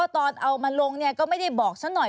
ตอนเอามาลงก็ไม่ได้บอกซะหน่อย